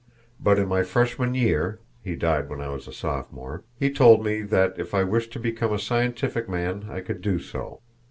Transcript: But in my freshman year (he died when I was a sophomore) he told me that if I wished to become a scientific man I could do so.